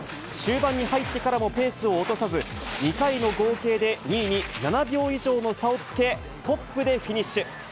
終盤に入ってからもペースを落とさず、２回の合計で２位に７秒以上の差をつけ、トップでフィニッシュ。